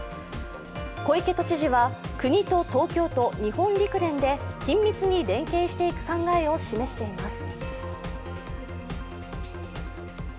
小池都知事は、国と東京都、日本陸連で緊密に連携していく考えを示しています。